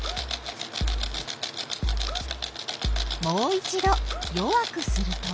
もう一ど弱くすると？